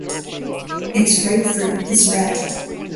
Its ripe fruit is red.